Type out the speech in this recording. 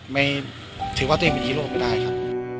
ไม่ถือว่าตัวเองเป็นฮีโร่ไม่ได้ครับ